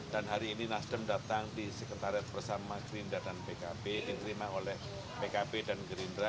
dan hari ini nasdem datang di sekretariat bersama gerindra dan pkb diterima oleh pkb dan gerindra